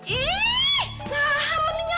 ih memang serius